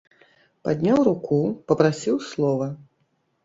Падняў руку, папрасіў слова.